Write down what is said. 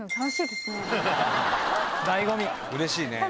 うれしいね。